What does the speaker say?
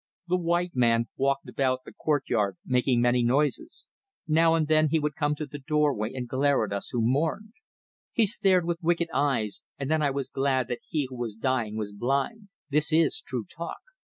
The white man walked about the courtyard making many noises. Now and then he would come to the doorway and glare at us who mourned. He stared with wicked eyes, and then I was glad that he who was dying was blind. This is true talk.